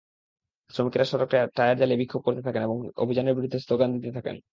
শ্রমিকেরা সড়কে টায়ার জ্বালিয়ে বিক্ষোভ করতে থাকেন এবং অভিযানের বিরুদ্ধে স্লোগান দিতে থাকেন।